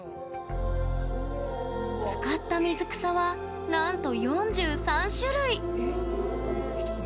使った水草は、なんと４３種類！